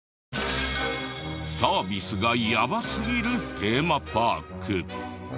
サービスがやばすぎるテーマパーク。